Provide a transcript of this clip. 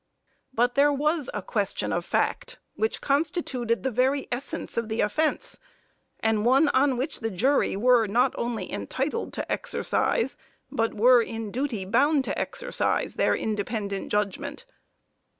But there was a question of fact, which constituted the very essence of the offence, and one on which the jury were not only entitled to exercise, but were in duty bound to exercise, their independent judgment.